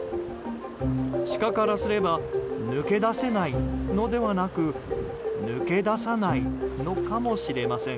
シカからすれば抜け出せないのではなく抜け出さないのかもしれません。